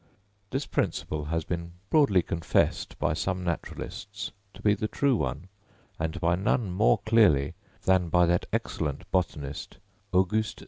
This principle has been broadly confessed by some naturalists to be the true one; and by none more clearly than by that excellent botanist, Aug. St.